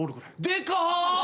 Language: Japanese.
でか！